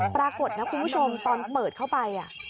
ปรากฏนะคุณผู้ชมตอนเปิดเข้าไป